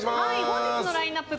本日のラインアップ